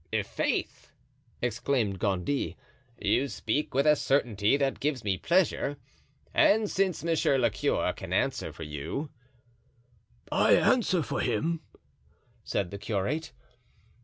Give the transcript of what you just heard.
"I'faith!" exclaimed Gondy, "you speak with a certainty that gives me pleasure; and since monsieur le curé can answer for you——" "I answer for him," said the curate.